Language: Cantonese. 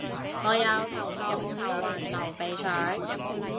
我有頭痛頭暈流鼻水